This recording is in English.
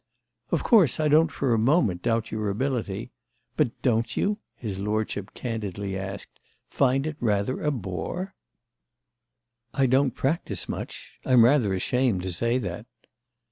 "Of course I don't for a moment doubt your ability. But don't you," his lordship candidly asked, "find it rather a bore?" "I don't practise much. I'm rather ashamed to say that."